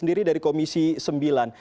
nah dari komisi sembilan